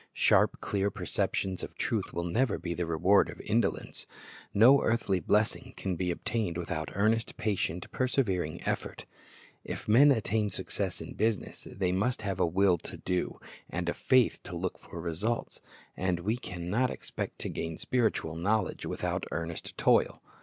Sharp, clear perceptions of truth will never be the reward of indolence. No earthly blessing can be obtained without earnest, patient, persevering effort. If men attain success in business, they must have a will to do, and a faith to look for results. And we can not expect to gain spiritual knowledge without earnest toil.